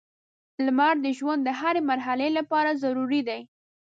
• لمر د ژوند د هرې مرحلې لپاره ضروري دی.